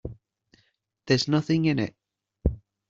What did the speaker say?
There's nothing in it.